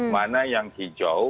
mana yang hijau